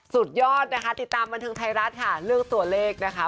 สุดยอดนะคะติดตามบันเทิงไทยรัฐค่ะเรื่องตัวเลขนะคะ